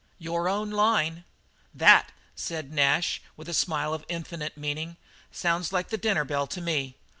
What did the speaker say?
"Your own line." "That," said Nash, with a smile of infinite meaning, "sounds like the dinner bell to me.